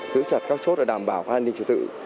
giữ chặt các chốt đảm bảo an ninh trí tự